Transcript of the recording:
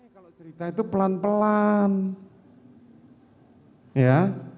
kalau cerita itu pelan pelan ya